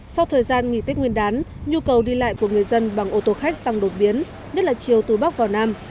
sau thời gian nghỉ tết nguyên đán nhu cầu đi lại của người dân bằng ô tô khách tăng đột biến nhất là chiều từ bắc vào nam